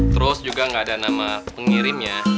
terus juga gak ada nama pengirimnya